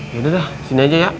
yaudah sini aja ya